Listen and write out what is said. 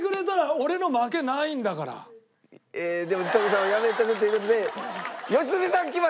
でもちさ子さんはやめとくという事で良純さんきました！